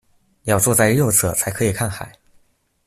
要坐在右侧才可以看海